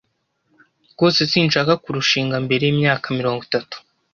Rwose sinshaka kurushinga mbere yimyaka mirongo itatu.